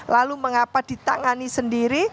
lalu mengapa ditangani sendiri